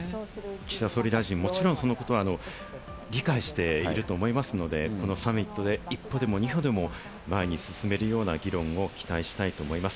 岸田総理大臣、もちろんそのことは理解していると思いますので、このサミットで１歩でも２歩でも前に進めるような議論を期待したいなと思います。